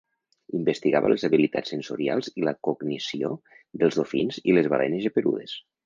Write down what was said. Investigava les habilitats sensorials i la cognició dels dofins i les balenes geperudes.